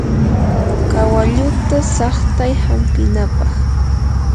kawalluta saqtay hampinapaq.